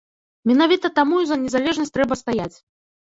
Менавіта таму за незалежнасць трэба стаяць.